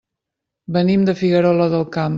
Venim de Figuerola del Camp.